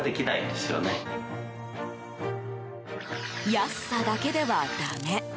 安さだけではだめ。